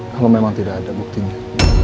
kalau memang tidak ada buktinya